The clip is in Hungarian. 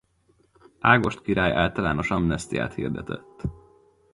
Ágost király általános amnesztiát hirdetett.